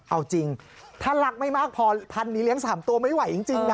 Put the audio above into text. เอาจริงถ้ารักไม่มากพอพันนี้เลี้ยง๓ตัวไม่ไหวจริงนะ